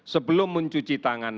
sebelum mencuci tangan